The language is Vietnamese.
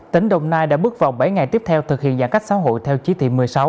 tỉnh đồng nai đã bước vào bảy ngày tiếp theo thực hiện giãn cách xã hội theo chỉ thị một mươi sáu